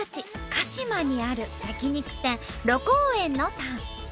鹿嶋にある焼肉店羅光苑のタン。